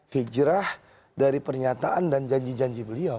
hijrah dari pernyataan dan janji janji beliau